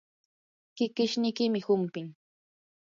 kikishniimi humpin.